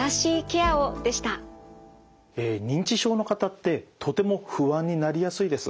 認知症の方ってとても不安になりやすいです。